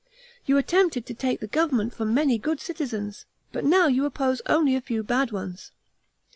You attempted to take the government from many good citizens; but now you oppose only a few bad ones.